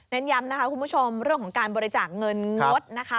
ย้ำนะคะคุณผู้ชมเรื่องของการบริจาคเงินงดนะคะ